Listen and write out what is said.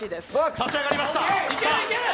立ち上がりました。